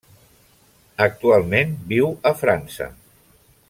Actualment viu a França.